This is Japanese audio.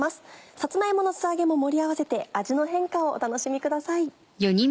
さつま芋の素揚げも盛り合わせて味の変化をお楽しみください。